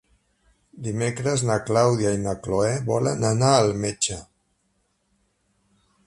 Dimecres na Clàudia i na Cloè volen anar al metge.